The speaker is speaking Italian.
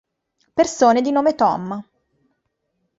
Persone di nome Tom